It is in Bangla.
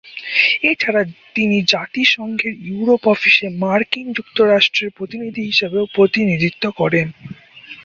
এছাড়া তিনি জাতিসংঘের ইউরোপ অফিসে মার্কিন যুক্তরাষ্ট্রের প্রতিনিধি হিসেবেও প্রতিনিধিত্ব করেন।